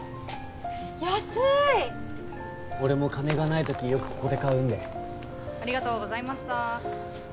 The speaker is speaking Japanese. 安い俺も金がない時よくここで買うんでありがとうございました